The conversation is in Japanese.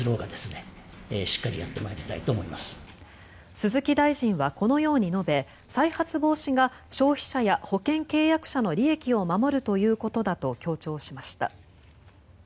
鈴木大臣はこのように述べ再発防止が消費者や保険契約者の利益を守るということだと強調しました。